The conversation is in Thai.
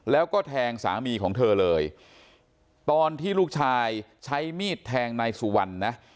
แล้วก็แทงสามีของเธอเลยตอนที่ลูกชายใช้มีดแทงนายสุวรรณนะ